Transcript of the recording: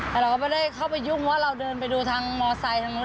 แต่เราก็ไม่ได้เข้าไปยุ่งเพราะเราเดินไปดูทางมอไซค์ทางนู้น